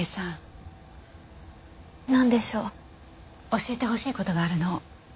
教えてほしい事があるの。